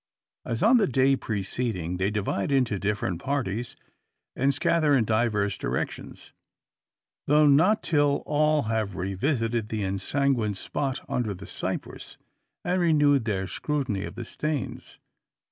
As on the day preceding, they divide into different parties, and scatter in diverse directions. Though not till after all have revisited the ensanguined spot under the cypress, and renewed their scrutiny of the stains.